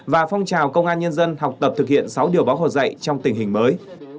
và phong trào công an nhân dân học tập thực hiện sáu điều báo hồ dạy trong tình hình mới